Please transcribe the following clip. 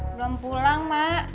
belum pulang mak